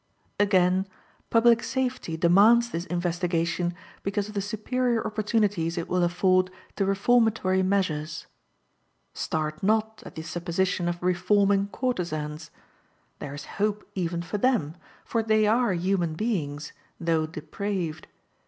Again: Public safety demands this investigation because of the superior opportunities it will afford to reformatory measures. Start not at the supposition of reforming courtesans. There is hope even for them, for they are human beings, though depraved.